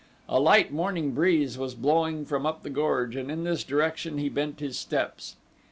A light morning breeze was blowing from up the gorge and in this direction he bent his steps.